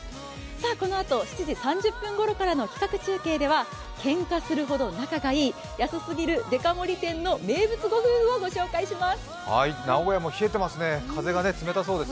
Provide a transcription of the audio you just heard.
このあと７時３０分ごろからの企画中継ではけんかするほど仲がいい、安すぎるデカ盛り店の名物ご夫婦をご紹介します。